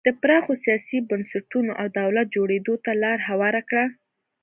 د پراخو سیاسي بنسټونو او دولت جوړېدو ته لار هواره کړه.